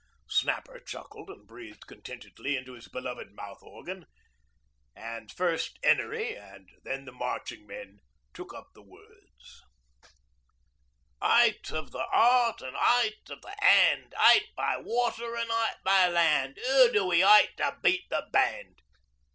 Snapper chuckled and breathed contentedly into his beloved mouth organ, and first 'Enery and then the marching men took up the words: 'Ite of the 'eart, an' 'ite of the 'and, 'Ite by water, an' 'ite by land, 'Oo do we 'ite to beat the band?